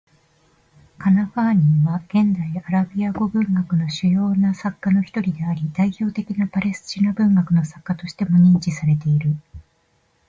カナファーニーは、現代アラビア語文学の主要な作家の一人であり、代表的なパレスチナ文学の作家としても認知されている。